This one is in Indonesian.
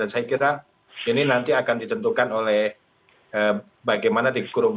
dan saya kira ini nanti akan ditentukan oleh bagaimana dikurung